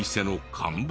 看板！？